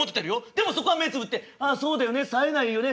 でもそこは目ぇつぶって「ああそうだよねさえないよね。